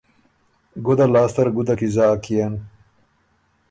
”ګُده لاسته ر ګُده کی زاک يېن۔